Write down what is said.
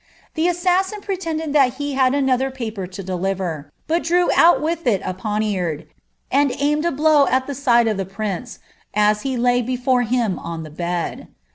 The assassin pretended that he had iper to deliver, but he drew out with it a poniard, and aimed Uie side of the prince, as he lay before him on the bed.